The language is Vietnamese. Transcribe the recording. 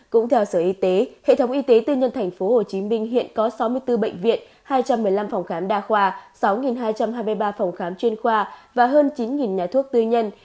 cũng theo sở y tế hệ thống y tế tư nhân tp hcm hiện có sáu mươi bốn bệnh viện hai trăm một mươi năm phòng khám đa khoa sáu hai trăm hai mươi ba phòng khám chuyên khoa và hơn chín nhà thuốc tư nhân